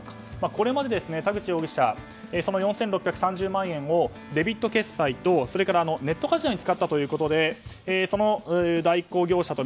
これまでは田口容疑者、４６３０万円をデビット決済とそれからネットカジノに使ったということで３つの決済代行業者に